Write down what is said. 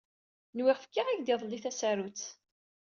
Nwiɣ fkiɣ-ak-d iḍelli tasarut.